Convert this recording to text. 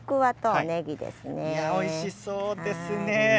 おいしそうですね。